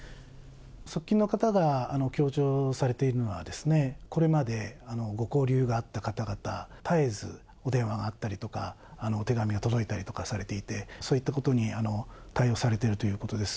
側近の方が強調されているのは、これまでご交流があった方々、絶えずお電話があったりとか、お手紙届いたりとかされていて、そういったことに対応されているということです。